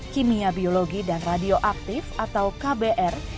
kimia biologi dan radioaktif atau kbr